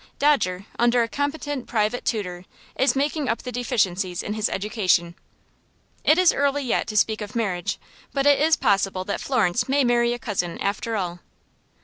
Dodger, under a competent private tutor, is making up the deficiencies in his education. It is early yet to speak of marriage, but it is possible that Florence may marry a cousin, after all.